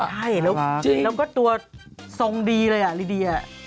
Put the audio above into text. ใช่แล้วก็ตัวทรงดีเลยอ่ะลิเดีย